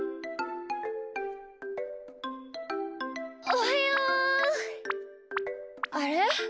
おはよう。あれ？